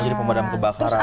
jadi pemadam kebakaran